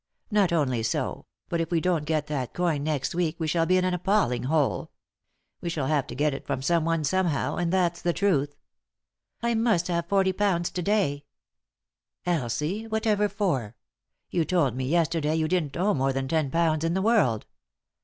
Not only so, but if we don't get that coin next week we shall be in an appalling hole. We shall have to get it from someone somehow, and that's the truth." " I must have forty pounds to day I "" Elsie 1 — whatever for ? You told me yesterday you didn't owe more than ten pounds in the world."